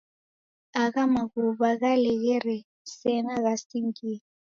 Agha maghuwa ghaleghere sena ghasingie!